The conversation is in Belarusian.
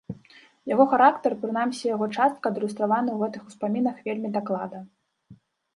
Яго характар, прынамсі яго частка, адлюстраваны ў гэтых успамінах вельмі даклада.